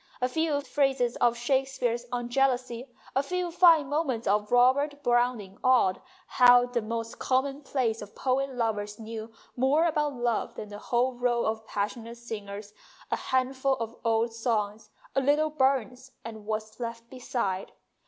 A few phrases of Shakespeare's on jealousy, a few fine moments of Robert Browning odd how the most commonplace of poet lovers knew more about love than the whole row of passionate singers a hand A MONOLOGUE ON LOVE SONGS 277 ful of old s.ongs, a little Burns, and what's left beside?